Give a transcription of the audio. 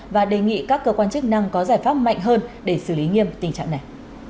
và đề nghị các cơ quan chức năng có giải pháp mạnh hơn để xử lý nghiêm tình trạng này